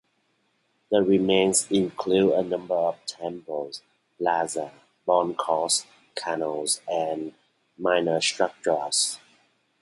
The remains include a number of temples, plazas, ballcourts, canals, and minor structures.